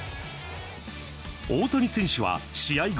大谷選手は試合後。